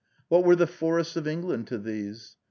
What were the "forests" of England to these?